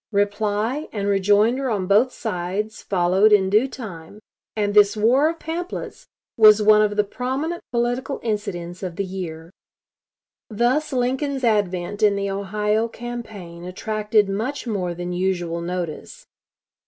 Reply and rejoinder on both sides followed in due time; and this war of pamphlets was one of the prominent political incidents of the year. Thus Lincoln's advent in the Ohio campaign attracted much more than usual notice.